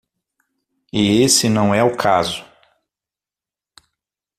E esse não é o caso.